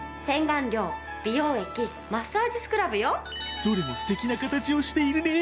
どれも素敵な形をしているね。